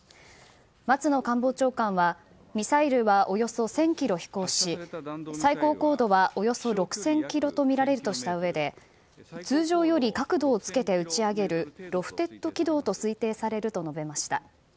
松野官房長官はミサイルはおよそ１０００ｋｍ飛行し最高高度はおよそ６０００ｋｍとみられるとしたうえで通常より角度をつけて打ち上げるロフテッドと軌道と推定されると述べました。